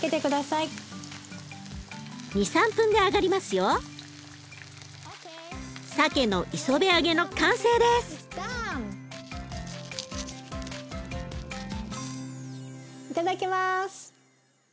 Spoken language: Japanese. いただきます。